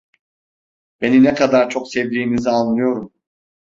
Beni ne kadar çok sevdiğinizi anlıyorum…